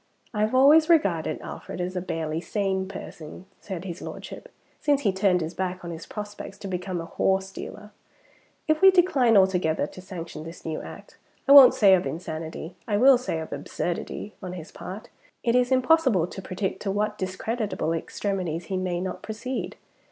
"I have always regarded Alfred as a barely sane person," said his Lordship, "since he turned his back on his prospects to become a horse dealer. If we decline altogether to sanction this new act I won't say, of insanity, I will say, of absurdity on his part, it is impossible to predict to what discreditable extremities he may not proceed.